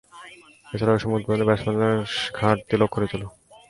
এছাড়াও, ঐ সময়ে উদ্বোধনী ব্যাটসম্যানের ঘাটতি লক্ষ্যণীয় ছিল।